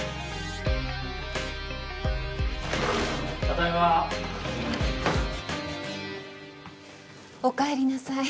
ただいまおかえりなさい